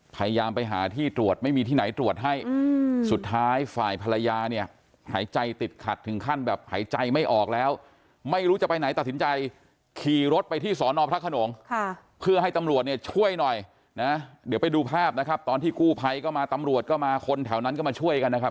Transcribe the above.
พยายามไปหาที่ตรวจไม่มีที่ไหนตรวจให้สุดท้ายฝ่ายภรรยาเนี่ยหายใจติดขัดถึงขั้นแบบหายใจไม่ออกแล้วไม่รู้จะไปไหนตัดสินใจขี่รถไปที่สอนอพระขนงเพื่อให้ตำรวจเนี่ยช่วยหน่อยนะเดี๋ยวไปดูภาพนะครับตอนที่กู้ภัยก็มาตำรวจก็มาคนแถวนั้นก็มาช่วยกันนะครับ